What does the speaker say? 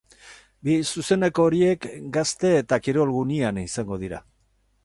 Bi zuzeneko horiek gazte eta kirol gunean izango dira.